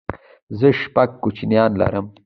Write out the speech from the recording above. زه شپږ کوچنيان لرم